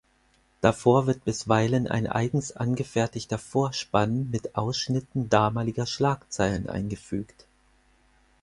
Davor wird bisweilen ein eigens angefertigter Vorspann mit Ausschnitten damaliger Schlagzeilen eingefügt.